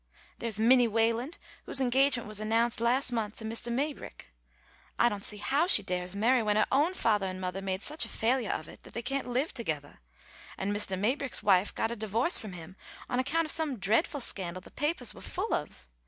"There's Minnie Wayland, whose engagement was announced last month to Mistah Maybrick. I don't see how she dares marry when her own fathah and mothah made such a failure of it, that they can't live togethah, and Mistah Maybrick's wife got a divorce from him on account of some dreadful scandal the papahs were full of.